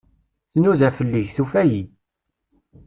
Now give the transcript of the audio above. Tnuda fell-i, tufa-iyi.